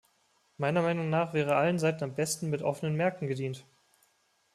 Meiner Meinung nach wäre allen Seiten am besten mit offenen Märkten gedient.